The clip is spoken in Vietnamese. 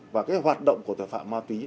và cái hoạt động của tội phạm ma túy